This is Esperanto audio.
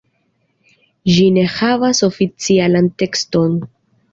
Ĝi ne havas oficialan tekston.